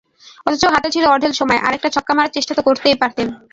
অথচ হাতে ছিল অঢেল সময়, আরেকটা ছক্কা মারার চেষ্টা তো করতেই পারতেন।